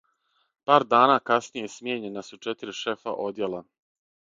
Пар дана касније, смијењена су четири шефа одјела.